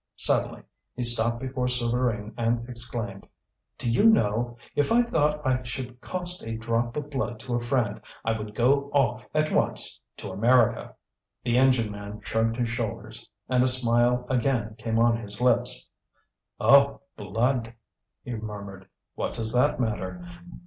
Suddenly he stopped before Souvarine and exclaimed: "Do you know, if I thought I should cost a drop of blood to a friend, I would go off at once to America!" The engine man shrugged his shoulders, and a smile again came on his lips. "Oh! blood!" he murmured. "What does that matter?